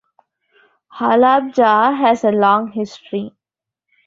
Halabja has a long history.